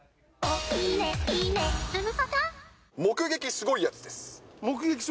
すごいやつです。